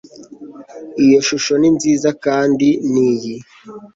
Iyo shusho ni nziza kandi niyi